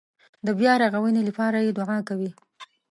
د بیارغونې لپاره یې دعا کوي.